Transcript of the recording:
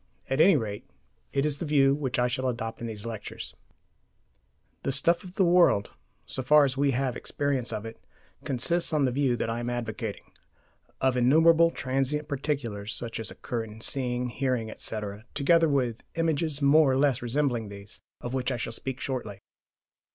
At any rate, it is the view which I shall adopt in these lectures. * Dewey, "Essays in Experimental Logic," pp. 253, 262. The stuff of the world, so far as we have experience of it, consists, on the view that I am advocating, of innumerable transient particulars such as occur in seeing, hearing, etc., together with images more or less resembling these, of which I shall speak shortly.